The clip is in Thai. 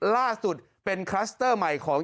ล่าสุดเป็นคลัสเตอร์ใหม่ของ